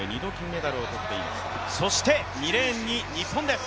そして２レーンに日本です。